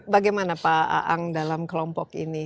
bagaimana pak aang dalam kelompok ini